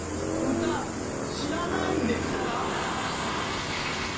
歌知らないんですか？